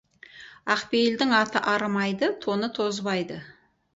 Ақпейілдің аты арымайды, тоны тозбайды.